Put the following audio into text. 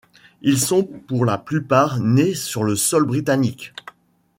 Ils sont pour la plupart nés sur le sol britannique.